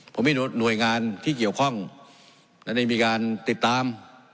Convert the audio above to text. ผมมีหน่วยงานที่เกี่ยวข้องและได้มีการติดตาม